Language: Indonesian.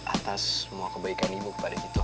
atas semua kebaikan ibu kepada kita